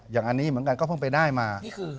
อย่างนี้เหมือนกันก็เพิ่งไปได้มา